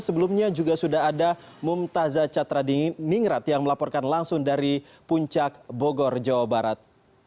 sebelumnya juga sudah ada mumtazah catra di ningrat yang melaporkan langsung dari puncak bogor jawa barat